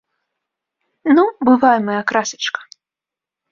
Ну, бывай, мая красачка!